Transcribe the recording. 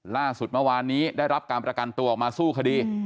ล่าสุดเมื่อวานนี้ได้รับการประกันตัวออกมาสู้คดี